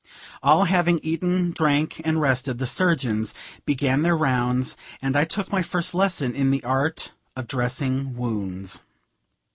All having eaten, drank, and rested, the surgeons began their rounds; and I took my first lesson in the art of dressing wounds.